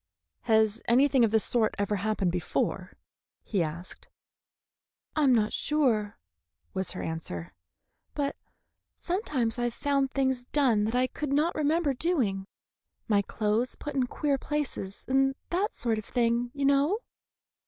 "Has anything of the sort ever happened before?" he asked. "I am not sure," was her answer; "but sometimes I've found things done that I could not remember doing: my clothes put in queer places, and that sort of thing, you know.